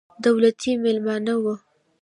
دولتي مېلمانه وو.